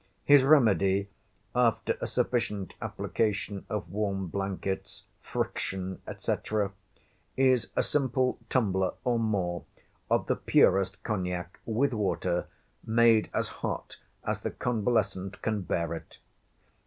His remedy—after a sufficient application of warm blankets, friction, &c., is a simple tumbler, or more, of the purest Cognac, with water, made as hot as the convalescent can bear it.